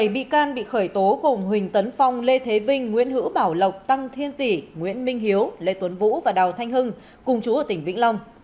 bảy bị can bị khởi tố gồm huỳnh tấn phong lê thế vinh nguyễn hữu bảo lộc tăng thiên tỷ nguyễn minh hiếu lê tuấn vũ và đào thanh hưng cùng chú ở tỉnh vĩnh long